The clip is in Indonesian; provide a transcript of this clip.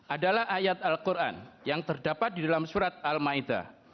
adalah ayat al quran yang terdapat di dalam surat al ma'idah